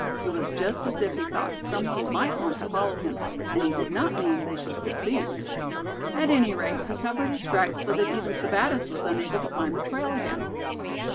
It was just as if he thought some one might want to follow him, and he did not mean they should succeed. At any rate, he covered his tracks so that even Sebattis was unable to find the trail again."